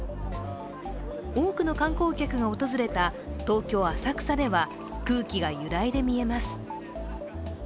多くの観光客が訪れた東京・浅草では空気が揺らいで見えます。